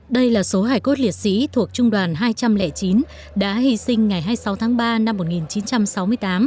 đây là số hải cốt liệt sĩ thuộc trung đoàn hai trăm linh chín đã hy sinh ngày hai mươi sáu tháng ba năm một nghìn chín trăm sáu mươi tám